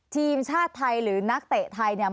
ทีมชาติไทยหรือนักเตะไทย